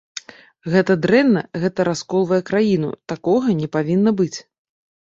Гэта дрэнна, гэта расколвае краіну, такога не павінна быць.